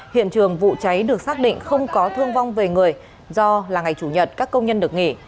hiện trường vụ cháy được xác định không có thương vong về người do là ngày chủ nhật các công nhân được nghỉ